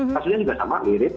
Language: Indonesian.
kasusnya juga sama mirip